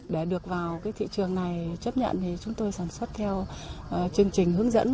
để được vào thị trường này chấp nhận chúng tôi sản xuất theo chương trình hướng dẫn